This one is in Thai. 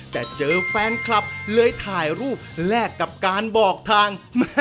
แต่เจอแฟนคลับเลยถ่ายรูปแลกกับการบอกทาง